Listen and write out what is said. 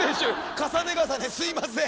重ね重ねすいません。